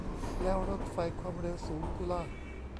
แล้วรถไฟความเร็วสูงกูล่ะ